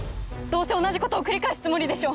どうせ同じことを繰り返すつもりでしょ！